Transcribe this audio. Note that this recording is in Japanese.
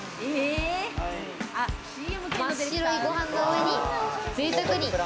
真っ白いご飯の上にぜいたくに。